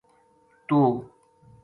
توہ